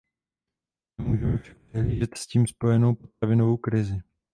Nemůžeme však přehlížet s tím spojenou potravinovou krizi.